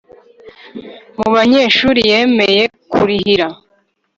mu banyeshuri yemeye kurihira